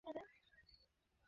অন্তত আমার তাই মনে হল।